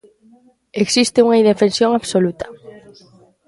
Existe unha indefensión absoluta.